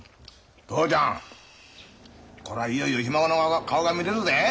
父ちゃんこりゃいよいよひ孫の顔が見れるぜ。